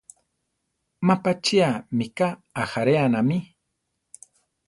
Má pachía mika ajáreanami.